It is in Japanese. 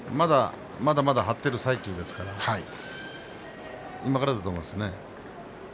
まだまだ張っている最中ですから今からだと思いますね。